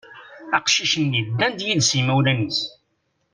Aqcic-nni ddan-d yid-s yimawlan-is.